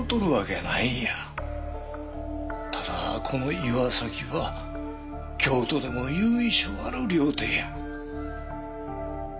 ただこの岩崎は京都でも由緒ある料亭や。